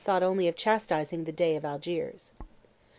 thought only of chastising the dey of Algiers.